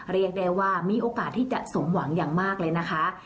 เรียกได้ว่ามีโอกาสที่จะสมหวังอย่างมากเลยนะคะ